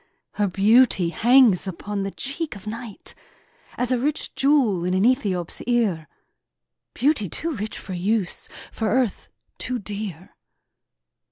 Her beauty hangs upon the cheek of night As a rich jewel in an Ethiop's ear; Beauty too rich for use, for earth too dear!